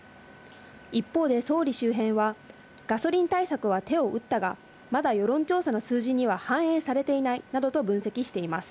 一方で総理周辺は、ガソリン対策は手を打ったが、まだ世論調査の数字には反映されていないなどと分析しています。